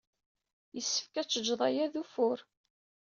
Yessefk ad teǧǧed aya d ufur.